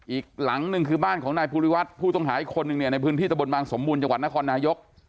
อีกหลังนึงคือบ้านของนายภูริวัฒน์ผู้ต้องหาอีกคนนึงเนี่ยในพื้นที่ตะบนบางสมบูรณ์จังหวัดนครนายก